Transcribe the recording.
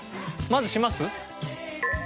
まずします？